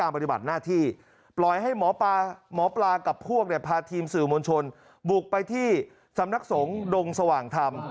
พวกเนี่ยพาทีมสื่อมวลชนบุกไปที่สำนักสงฆ์ดงสว่างธรรม